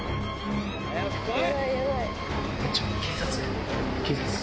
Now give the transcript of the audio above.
早く来い！